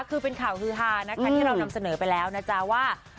คือเป็นข่าวฮือฮานะคะที่เรานำเสนอไปแล้วนะจ๊ะว่า